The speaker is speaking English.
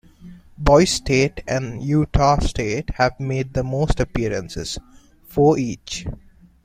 Boise State and Utah State have made the most appearances, four each.